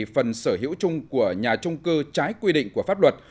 phần sở hữu chung của nhà trung cư trái quy định của pháp luật